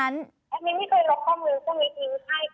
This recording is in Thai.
แอดมินที่เคยลบข้อมูลไม่มีทิ้งใช่ค่ะ